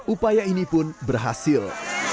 upaya ini pun berhasil